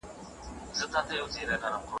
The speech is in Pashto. چې سترګې پټې کړې یو ورور به وژنې قتل به کړې